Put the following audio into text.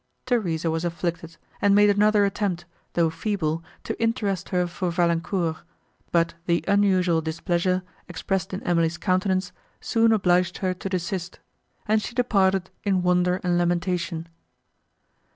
Theresa was afflicted, and made another attempt, though feeble, to interest her for Valancourt, but the unusual displeasure, expressed in Emily's countenance, soon obliged her to desist, and she departed in wonder and lamentation.